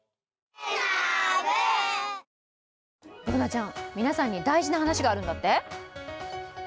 Ｂｏｏｎａちゃん、皆さんに大事な話があるんだって？